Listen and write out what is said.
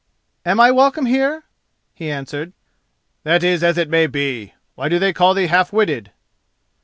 Am I welcome here?" he answered. "That is as it may be. Why do they call thee half witted?"